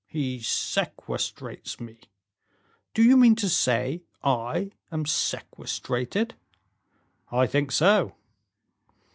"He sequestrates me! Do you mean to say I am sequestrated?" "I think so."